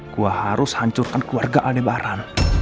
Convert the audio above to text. gua harus hancurkan keluarga adebaran